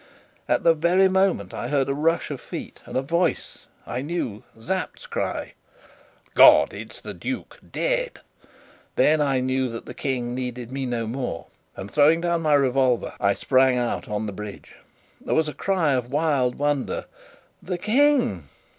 At that very moment I heard a rush of feet, and a voice I knew Sapt's cry: "God! it's the duke dead!" Then I knew that the King needed me no more, and throwing down my revolver, I sprang out on the bridge. There was a cry of wild wonder, "The King!"